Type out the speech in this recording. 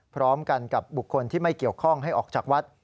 พร้อมกันกับบุคคลที่ไม่เกี่ยวข้องให้ออกจากวัด